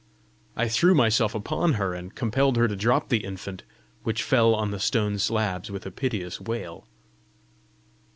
I threw myself upon her, and compelled her to drop the infant, which fell on the stone slabs with a piteous wail.